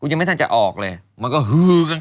กูยังไม่ทันจะออกเลย